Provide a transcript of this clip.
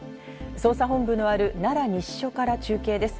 捜査本部のある奈良西署から中継です。